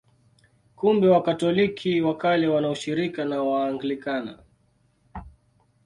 Kumbe Wakatoliki wa Kale wana ushirika na Waanglikana.